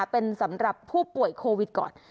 เป็นสำหรับผู้ป่วยโควิดก่อน